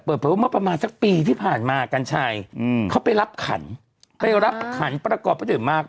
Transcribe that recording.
เปิดเผามาประมาณสักปีที่ผ่านมากันใช่อืมเขาไปรับขันไปรับขันประกอบประเด็นมาก